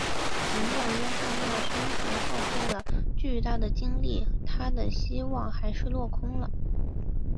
尽管约翰为了宣传耗费了巨大的精力他的希望还是落空了。